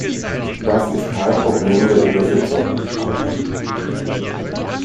Das ist kein Problem der Übersetzung!